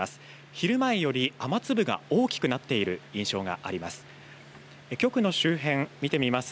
昼前より雨粒が大きくなっている印象があります。